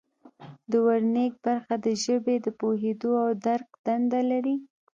د ورنیک برخه د ژبې د پوهیدو او درک دنده لري